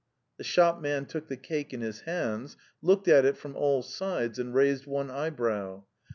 The shopman took the cake in his hands, looked at it from all sides, and raised one eyebrow.